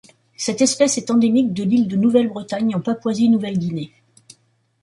Cette espèce est endémique de l'île de Nouvelle-Bretagne en Papouasie-Nouvelle-Guinée.